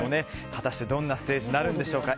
果たして、どんなステージになるんでしょうか。